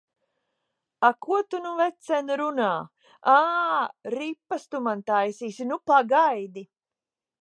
A, ko tu nu, vecen, runā! Ā, ripas tu man taisīsi! Nu pagaidi!